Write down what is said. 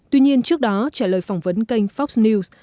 tuy nhiên trước đó trả lời phỏng vấn kênh fox news